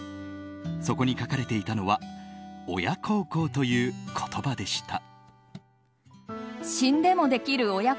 そこに書かれていたのは親孝行という言葉でした。